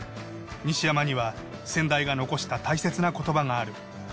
西山には先代が残した大切な言葉がある。